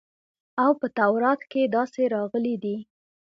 او په تورات کښې داسې راغلي دي.